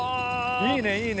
いいねいいね。